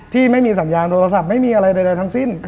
ที่ไม่มีสัญญาณโทรศัพท์ไม่มีอะไรใดทั้งสิ้น